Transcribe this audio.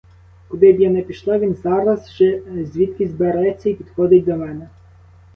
Куди б я не пішла, він зараз же звідкись береться й підходить до мене.